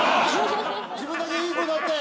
自分だけいい子になって！